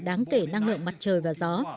đáng kể năng lượng mặt trời và gió